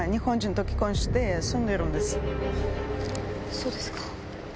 そうですか。